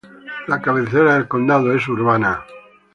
La cabecera del condado es Urbana.